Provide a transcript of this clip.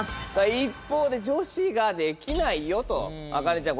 一方で女子が「できないよ」と茜ちゃん